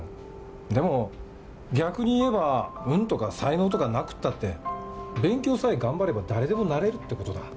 でも逆に言えば運とか才能とかなくったって勉強さえ頑張れば誰でもなれるって事だ。